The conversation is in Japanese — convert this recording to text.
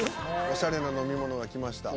「おしゃれな飲み物が来ました」